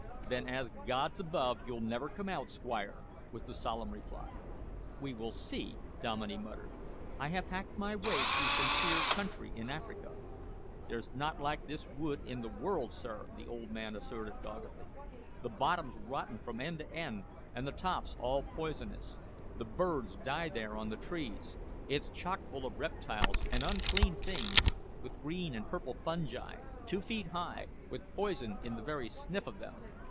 "Then as God's above, you'll never come out, Squire!" was the solemn reply. "We will see," Dominey muttered. "I have hacked my way through some queer country in Africa." "There's nowt like this wood in the world, sir," the old man asserted doggedly. "The bottom's rotten from end to end and the top's all poisonous. The birds die there on the trees. It's chockful of reptiles and unclean things, with green and purple fungi, two feet high, with poison in the very sniff of them.